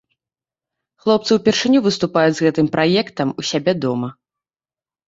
Хлопцы ўпершыню выступаюць з гэтым праектам у сябе дома.